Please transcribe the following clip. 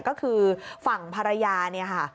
ก็คือฝั่งภรรยาเนี่ยค่ะ